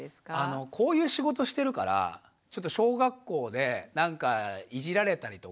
こういう仕事してるからちょっと小学校で何かいじられたりとか。